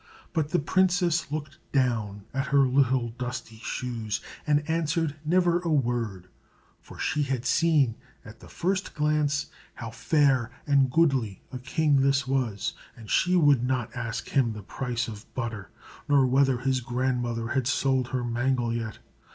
But the princess looked down at her little dusty shoes, and answered never a word; for she had seen at the first glance how fair and goodly a king this was, and she would not ask him the price of butter, nor whether his grandmother had sold her mangle yet.